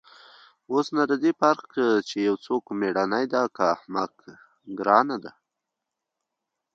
اوس نو د دې فرق چې يو څوک مېړنى دى که احمق گران ديه.